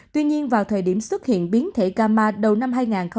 tuy nhiên vào thời điểm xuất hiện biến thể gamma đầu năm hai nghìn hai mươi một